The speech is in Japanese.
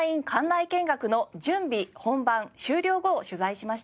内見学の準備本番終了後を取材しました。